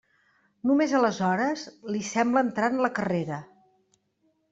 Només aleshores li sembla entrar en la carrera.